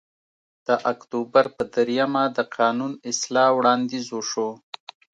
د اکتوبر په درېیمه د قانون اصلاح وړاندیز وشو